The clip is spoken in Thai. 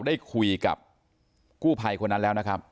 ได้คุยกับกู้ภัยคนนั้นแล้วนะครับ